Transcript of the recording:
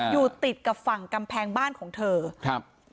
อยู่ติดกับฝั่งกำแพงบ้านของเธอครับ